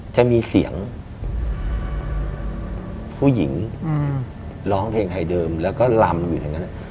จะมีเสียงผู้หญิงร้องเพลงไทยเดิมแล้วก็ลำอยู่อย่างนั้น